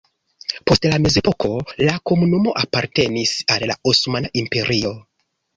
Post la mezepoko la komunumo apartenis al la Osmana Imperio.